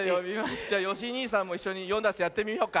じゃよしにいさんもいっしょに「よんだんす」やってみようか。